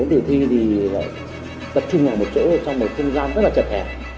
bốn thử thi thì là tập trung vào một chỗ trong một không gian rất là chật hẹp